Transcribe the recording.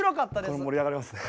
これ盛り上がりますね。